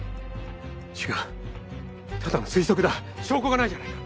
違うただの推測だ証拠がないじゃないか！